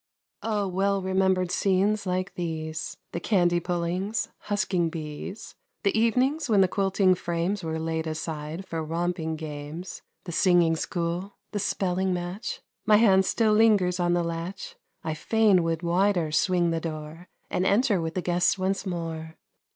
Oh, well remembered scenes like these: The candy pullings, husking bees The evenings when the quilting frames Were laid aside for romping games; The singing school! The spelling match! My hand still lingers on the latch, I fain would wider swing the door And enter with the guests once more.